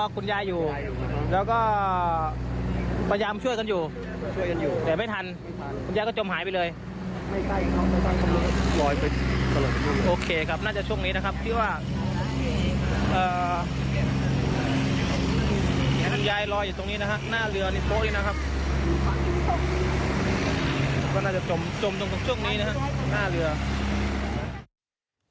ก็น่าจะจมจมจมช่วงนี้นะฮะหน้าเรือ